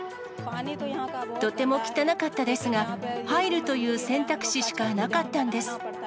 とても汚かったですが、入るという選択肢しかなかったんです。